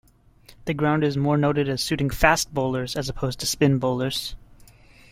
The ground is more noted as suiting fast bowlers as opposed to spin bowlers.